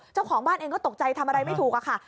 เจ้าของบ้านเองก็ตกใจทำอะไรไม่ถูกอะค่ะ